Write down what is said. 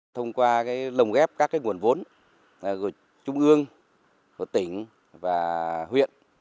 thông qua lồng ghép các nguồn vốn của trung ương của tỉnh và huyện